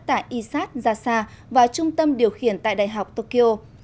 tại isat jasa và trung tâm điều khiển tại đại học tokyo